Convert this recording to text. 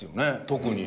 特に。